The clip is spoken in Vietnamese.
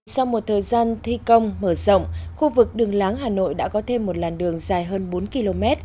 sau một thời gian thi công mở rộng khu vực đường láng hà nội đã có thêm một làn đường dài hơn bốn km